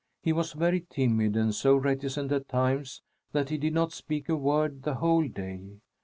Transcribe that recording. He was very timid, and so reticent at times that he did not speak a word the whole day.